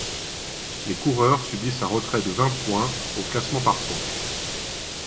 Les coureurs subissent un retrait de vingt points au classement par points.